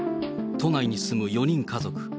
都内に住む４人家族。